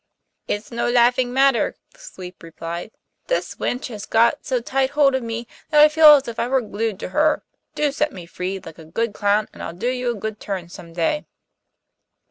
'It's no laughing matter,' the sweep replied. 'This wench has got so tight hold of me that I feel as if I were glued to her. Do set me free, like a good clown, and I'll do you a good turn some day.